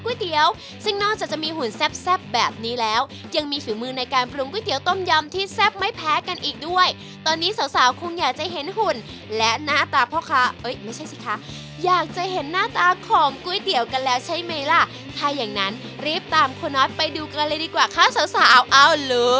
เตี๋ยวซึ่งนอกจากจะมีหุ่นแซ่บแบบนี้แล้วยังมีฝีมือในการปรุงก๋วเตี๋ยต้มยำที่แซ่บไม่แพ้กันอีกด้วยตอนนี้สาวสาวคงอยากจะเห็นหุ่นและหน้าตาพ่อค้าเอ้ยไม่ใช่สิคะอยากจะเห็นหน้าตาของก๋วยเตี๋ยวกันแล้วใช่ไหมล่ะถ้าอย่างนั้นรีบตามคุณนอทไปดูกันเลยดีกว่าค่ะสาวสาวเอ้า